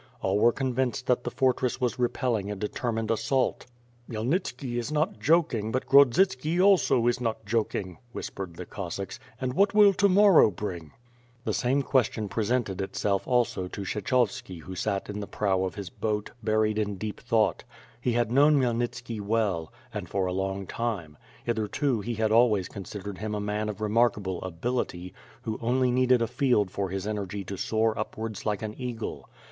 All were convinced that the fortress was repelling a determined assault. "Khmyelnitski is not joking, but Grodzitski also is not joking," whispered the Cossacks. "And what will to morrow bring?" mTB Ft RE AND SWORD, jg, The same question presented itself also to Kshechovski who sat in the prow of his boat, buried in deep thought. He had known Khmyelnitski well, and for a long time; hitherto he had always considered him a man of remarkable ability, who only needed a field for his energy to soar upwards like an eagle.